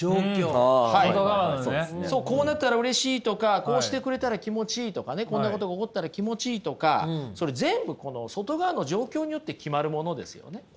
こうなったらうれしいとかこうしてくれたら気持ちいいとかねこんなことが起こったら気持ちいいとかそれ全部この外側の状況によって決まるものですよね。